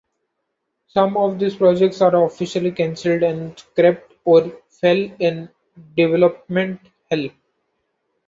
Some of these projects are officially cancelled and scrapped or fell in development hell.